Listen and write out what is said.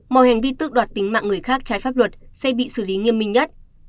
mọi hành vi tước đoạt tính mạng người khác trái pháp luật sẽ bị xử lý nghiêm minh nhất